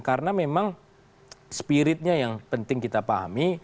karena memang spiritnya yang penting kita pahami